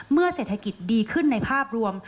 เมื่อเศรษฐกิจดีขึ้นในภาพรวม